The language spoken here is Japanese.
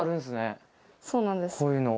そうなんです。